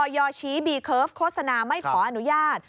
ยชี้บีเคิร์ฟโฆษณาไม่ขออนุญาต